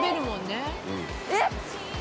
えっ！